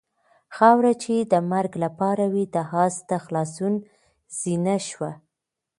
خاوره چې د مرګ لپاره وه د آس د خلاصون زینه شوه.